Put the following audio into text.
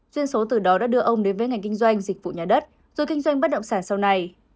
doanh số từ đó đã đưa ông đến với ngành kinh doanh dịch vụ nhà đất rồi kinh doanh bất động sản sau này